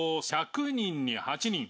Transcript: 「１００人に８人」